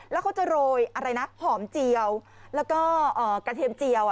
แล้วเขาจะโรยอะไรนะหอมเจียวแล้วก็กระเทียมเจียว